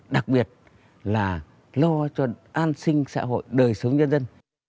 đặc biệt là lo cho an sinh xã hội đời sống nhân dân